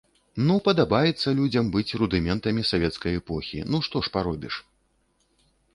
Ну, падабаецца людзям быць рудыментамі савецкай эпохі, то што ж паробіш?